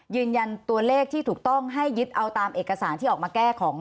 ยืนยันตัวเลขที่ถูกต้องให้ยึดเอาตามเอกสารที่ออกมาแก้ของ